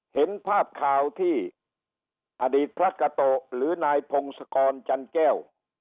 เห็นภาพข่าวที่อดีตพระกาโตะหรือนายพงศกรจันแก้ว